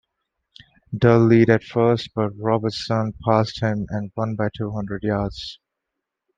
Dull led at first, but Robertson passed him and won by two hundred yards.